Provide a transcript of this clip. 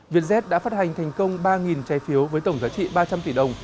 vietjet đã phát hành thành công ba trái phiếu với tổng giá trị ba trăm linh tỷ đồng